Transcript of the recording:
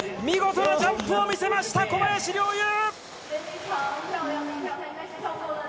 見事なジャンプを見せました小林陵侑。